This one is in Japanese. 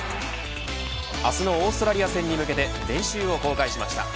明日のオーストラリア戦に向けて練習を公開しました。